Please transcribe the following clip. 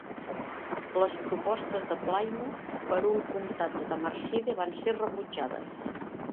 Les propostes de Plymouth per un comtat de Tamarside van ser rebutjades.